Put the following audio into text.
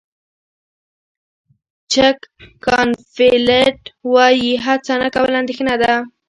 جک کانفیلډ وایي هڅه نه کول اندېښنه ده.